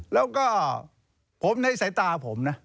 แล้วก็ในสายตาผม